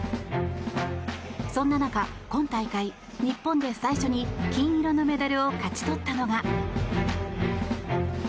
そんな中、今大会日本で最初に金色のメダルを勝ち取ったのが。